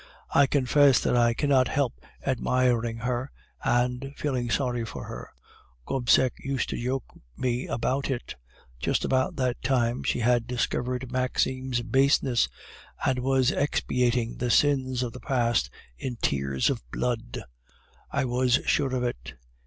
I confess that I cannot help admiring her and feeling sorry for her. Gobseck used to joke me about it. Just about that time she had discovered Maxime's baseness, and was expiating the sins of the past in tears of blood. I was sure of it.